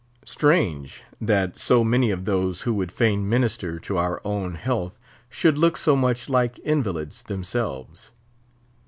Strange! that so many of those who would fain minister to our own health should look so much like invalids themselves.